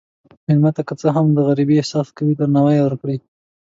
مېلمه ته که څه هم د غریبۍ احساس کوي، درناوی ورکړه.